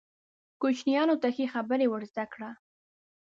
کوچنیانو ته ښې خبرې ور زده کړه.